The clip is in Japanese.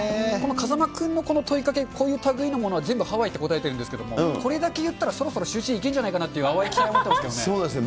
風間君の問いかけ、こういうたぐいのものは全部ハワイって答えてるんですけども、これだけ言ったら、そろそろシューイチ行けるんじゃないかなって淡い期待をそうですね。